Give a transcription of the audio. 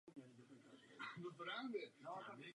Okolo kostela byl hřbitov.